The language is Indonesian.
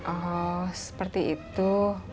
oh seperti itu